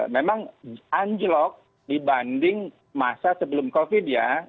memang anjlok dibanding masa sebelum covid ya